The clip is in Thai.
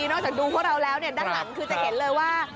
นอกจากดูพวกเราแล้วด้านหลังคือจะเห็นเลยว่า